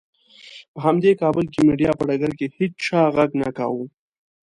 په همدې کابل کې مېډیا په ډګر کې هېچا غږ نه کاوه.